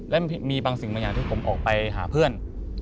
และมีบางสิ่งบางอย่างที่ผมออกไปหาเพื่อน